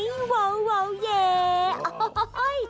โอ้โหโอ้เย่โอ้โหโอ้โห